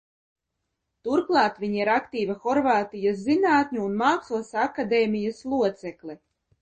Turklāt viņa ir aktīva Horvātijas Zinātņu un mākslas akadēmijas locekle.